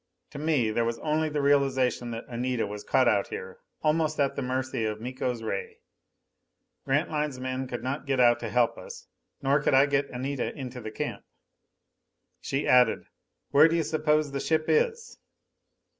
To me there was only the realization that Anita was caught out here, almost at the mercy of Miko's ray. Grantline's men could not get out to help us, nor could I get Anita into the camp. She added, "Where do you suppose the ship is?"